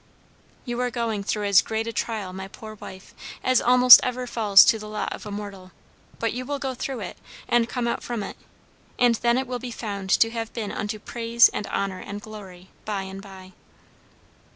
"You are going through as great a trial, my poor wife, as almost ever falls to the lot of a mortal. But you will go through it, and come out from it; and then it will be found to have been 'unto praise and honour and glory' by and by."